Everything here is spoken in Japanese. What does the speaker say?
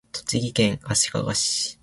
栃木県足利市